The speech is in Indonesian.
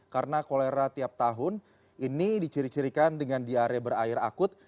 karena kolera tiap tahun ini diciri cirikan dengan diare berair akut